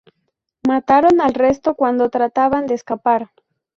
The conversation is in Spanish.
Mataron al resto cuando trataban de escapar.